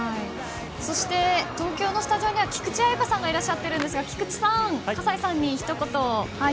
そして、東京のスタジオには菊池彩花さんがいらっしゃってるんですが菊池さん、葛西さんにひと言。